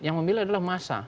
yang memilih adalah masa